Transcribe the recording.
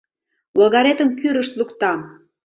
Логаретым кӱрышт луктам!..